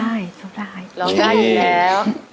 หลอกได้หลอกได้อีกแล้ว